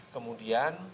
kemudian setelah itu